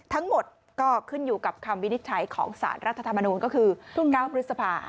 ทั้งหมดก็ขึ้นอยู่กับคำวินิจฉัยของสารรัฐธรรมนูลก็คือ๙พฤษภา